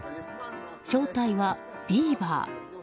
正体はビーバー。